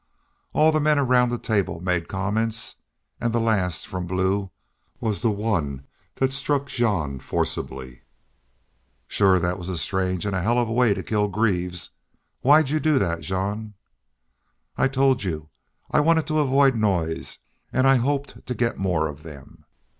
All the men around the table made comments, and the last, from Blue, was the one that struck Jean forcibly. "Shore thet was a strange an' a hell of a way to kill Greaves. Why'd you do thet, Jean?" "I told you. I wanted to avoid noise an' I hoped to get more of them."